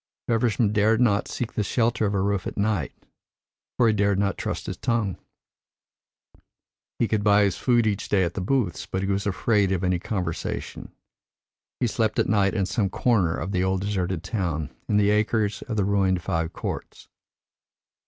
Feversham dared not seek the shelter of a roof at night, for he dared not trust his tongue. He could buy his food each day at the booths, but he was afraid of any conversation. He slept at night in some corner of the old deserted town, in the acres of the ruined fives courts.